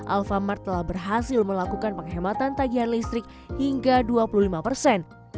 alfamart telah berhasil melakukan penghematan tagihan listrik hingga dua puluh lima persen